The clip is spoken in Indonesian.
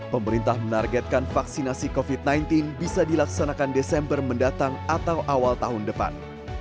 pemerintah menargetkan vaksinasi covid sembilan belas bisa dilaksanakan desember mendatang atau awal tahun depan